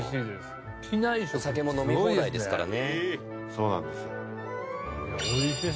そうなんですよ。